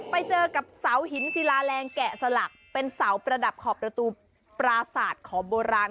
ไปเจอกับเสาหินศิลาแรงแกะสลักเป็นเสาประดับขอบประตูปราศาสตร์ขอบโบราณ